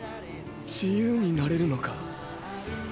自由になれるのか？